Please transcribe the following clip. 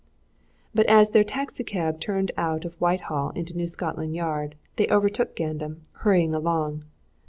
But as their taxi cab turned out of Whitehall into New Scotland Yard they overtook Gandam, hurrying along.